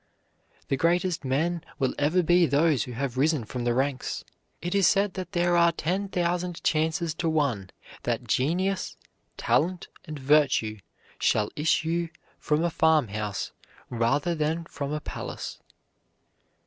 The greatest men will ever be those who have risen from the ranks. It is said that there are ten thousand chances to one that genius, talent, and virtue shall issue from a farmhouse rather than from a palace.